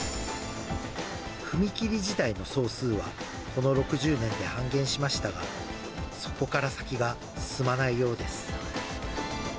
踏切自体の総数はこの６０年で半減しましたが、そこから先が進まないようです。